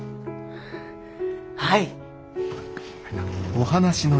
はい！